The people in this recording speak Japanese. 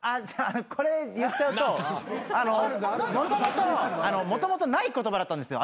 これ言っちゃうともともとない言葉だったんですよ